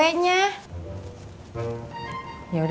mak udah siang nih kapan bikin kuenya